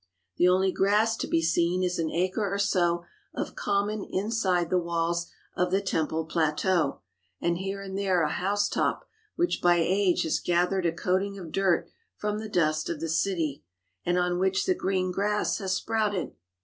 The only grass to be seen is an acre or so of common inside the walls of the temple plateau, and here and there a house top, which by age has gathered a coating of dirt from the dust of the city, and on which the green grass has sprouted.